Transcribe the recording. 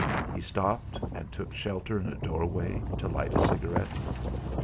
He stopped and took shelter in a doorway, to light a cigarette.